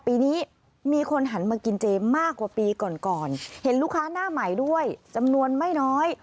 ปีนี้มีคนหันมากินเจมากกว่าปีก่อนก่อนเห็นลูกค้าหน้าใหม่ด้วยจำนวนไม่น้อย